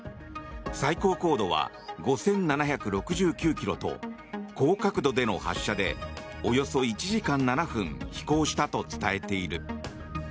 最高高度は５７６９ｋｍと高角度での発射でおよそ１時間７分飛行したと伝えている。